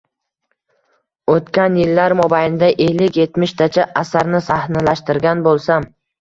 — O‘tgan yillar mobaynida ellik-yetmishtacha asarni sahnalashtirgan bo‘lsam